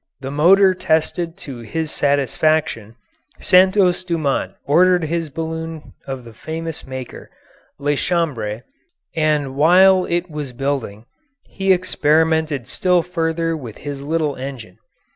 The motor tested to his satisfaction, Santos Dumont ordered his balloon of the famous maker, Lachambre, and while it was building he experimented still further with his little engine.